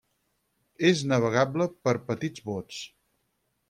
És navegable per petits bots.